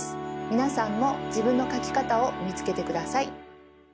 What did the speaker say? みなさんもじぶんのかきかたをみつけてください。